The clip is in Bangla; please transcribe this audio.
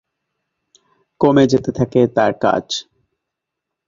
কমে যেতে থাকে তার কাজ।